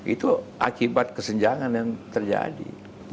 itu akibat kesenjangan yang terjadi